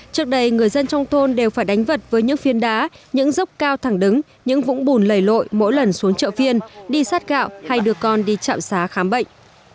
trước đây người dân trong thôn đều phải đánh vật với những phiên đá những dốc cao thẳng đứng những vũng bùn lầy lội mỗi lần xuống chợ phiên đi sát gạo hay đưa con đi trạm xá khám bệnh